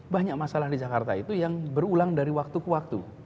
banyak masalah di jakarta itu yang berulang dari waktu ke waktu